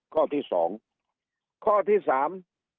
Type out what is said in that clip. ข้อที่สองข้อที่สาม